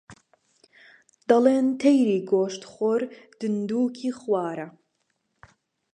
دەڵێن تەیری گۆشتخۆر دندووکی خوارە